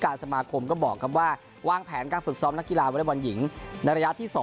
การสมาคมก็บอกว่าว่าว่างแผนการฝึกซ้อมนักกีฬาเวลาบรรยีหญิงในระยะที่๒